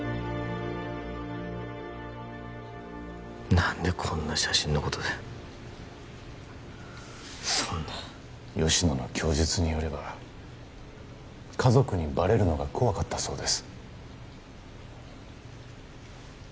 何でこんな写真のことでそんな吉乃の供述によれば家族にバレるのが怖かったそうです